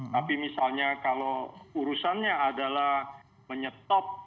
tapi misalnya kalau urusannya adalah menyetop sedot angin